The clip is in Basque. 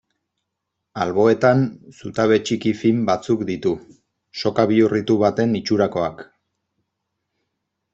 Alboetan, zutabe txiki fin batzuk ditu, soka bihurritu baten itxurakoak.